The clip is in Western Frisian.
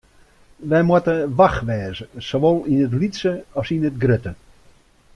Wy moatte wach wêze, sawol yn it lytse as yn it grutte.